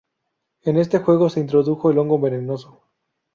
En este juego se introdujo el hongo venenoso.